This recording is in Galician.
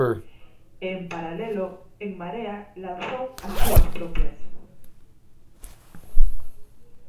E en paralelo, En Marea lanzou as súas propias.